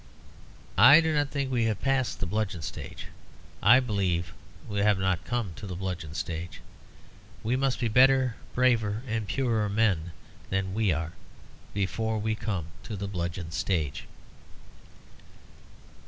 I do not think we have passed the bludgeon stage. I believe we have not come to the bludgeon stage. We must be better, braver, and purer men than we are before we come to the bludgeon stage.